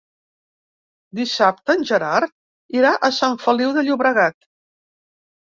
Dissabte en Gerard irà a Sant Feliu de Llobregat.